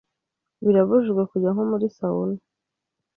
Birabujijwe kujya nko muri Sauna